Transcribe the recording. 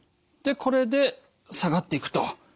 でこれで下がっていくと。